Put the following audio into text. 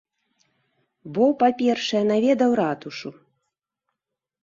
Бо, па-першае, наведаў ратушу.